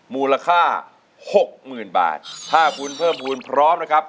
มูลค่าหกหมื่นบาทถ้าคุณเพ้อมภูมิพร้อมนะครับ